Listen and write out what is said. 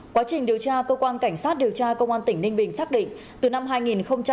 quá trình điều tra cơ quan cảnh sát điều tra công an tỉnh ninh bình xác định